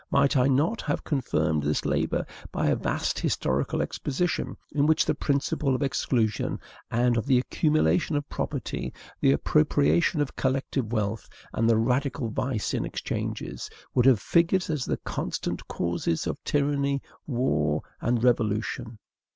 Might I not have confirmed this labor by a vast historical exposition, in which the principle of exclusion, and of the accumulation of property, the appropriation of collective wealth, and the radical vice in exchanges, would have figured as the constant causes of tyranny, war, and revolution?